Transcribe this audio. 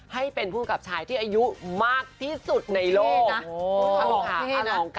ให้เป็นภูมิกับชายที่อายุมากที่สุดในโลกนะ